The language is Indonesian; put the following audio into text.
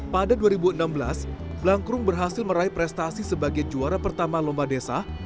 pada dua ribu enam belas blankrum berhasil meraih prestasi sebagai juara pertama lomba desa